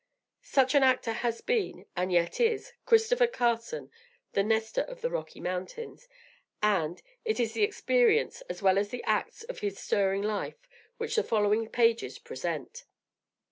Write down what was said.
Such an actor has been, and yet is, Christopher Carson, the Nestor of the Rocky Mountains; and, it is the experience, as well as the acts, of his stirring life, which the following pages present.